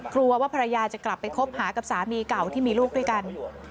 กลัวว่าภรรยาจะกลับไปคบหากับสามีเก่าที่มีลูกด้วยกัน